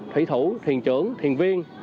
thủy thủ thiền trưởng thiền viên